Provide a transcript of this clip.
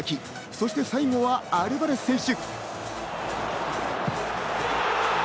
そして最後はアルバレス選手。